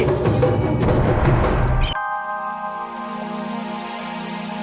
hey jangan lari